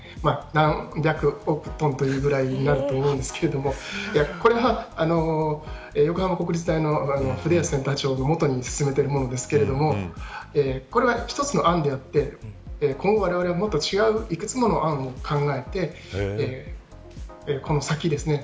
何百億トンというぐらいになると思うんですけどこれは横浜国立大のセンター長の下に進めているものですがこれは１つの案であって今後、われわれもっと違う幾つもの案を考えてこの先ですね。